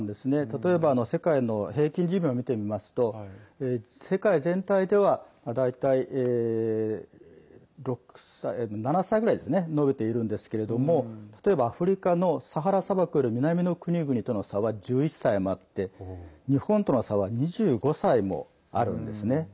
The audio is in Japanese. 例えば、世界の平均寿命を見てみますと世界全体では大体７歳ぐらい延びているんですけれども例えばアフリカのサハラ砂漠より南の国々との差は１１歳もあって日本との差は２５歳もあるんですね。